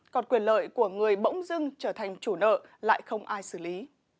còn quyền lợi của người bỗng dưng trở thành chủ nợ lại không ai xử lý